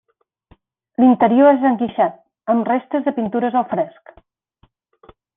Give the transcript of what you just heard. L'interior és enguixat, amb restes de pintures al fresc.